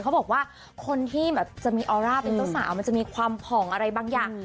เขาบอกว่าคนที่แบบจะมีออร่าเป็นเจ้าสาวมันจะมีความผ่องอะไรบางอย่าง